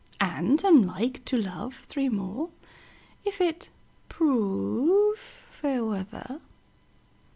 And am like to love three more, If it prove fair weather.